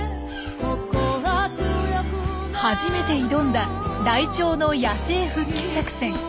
初めて挑んだライチョウの野生復帰作戦。